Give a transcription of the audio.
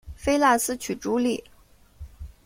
菲腊斯娶茱莉。